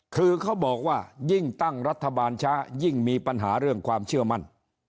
คือเขาบอกว่ายิ่งตั้งรัฐบาลช้ายิ่งมีปัญหาเรื่องความเชื่อมั่น